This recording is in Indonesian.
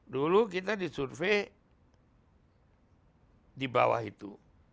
dulu kita disurvey di bawah itu